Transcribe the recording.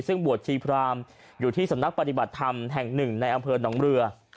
ซึ่งบวชชีพรามอยู่ที่สำนักปฏิบัติธรรมแห่งหนึ่งในอำเภอหนองเรือ